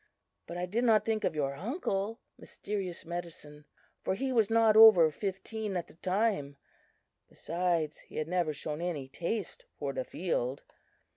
But I did not think of your uncle, Mysterious Medicine, for he was not over fifteen at the time; besides, he had never shown any taste for the field.